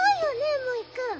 モイくん。